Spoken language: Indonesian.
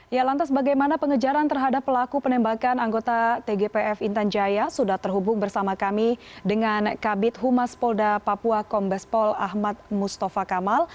ya lantas bagaimana pengejaran terhadap pelaku penembakan anggota tgpf intan jaya sudah terhubung bersama kami dengan kabit humas polda papua kombespol ahmad mustafa kamal